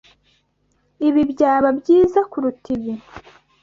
Ibi byaba byiza kuruta ibi.